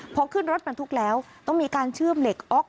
พอขึ้นรถบรรทุกแล้วต้องมีการเชื่อมเหล็กออก